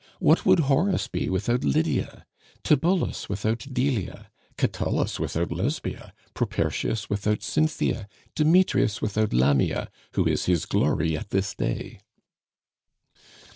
What would Horace be without Lydia, Tibullus without Delia, Catullus without Lesbia, Propertius without Cynthia, Demetrius without Lamia, who is his glory at this day?"